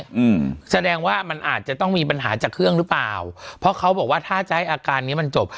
อืมแสดงว่ามันอาจจะต้องมีปัญหาจากเครื่องหรือเปล่าเพราะเขาบอกว่าถ้าจะให้อาการเนี้ยมันจบ